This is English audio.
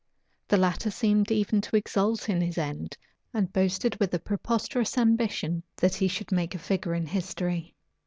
The latter seemed even to exult in his end, and boasted, with a preposterous ambition, that he should make a figure in his tory.